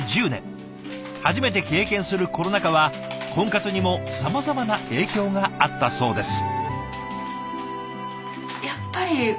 初めて経験するコロナ禍は婚活にもさまざまな影響があったそうです。